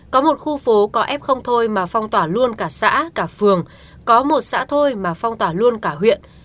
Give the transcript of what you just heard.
có một khu phố có ép không thôi mà phong tỏa luôn cả xã cả phường có một xã thôi mà phong tỏa luôn cả huyện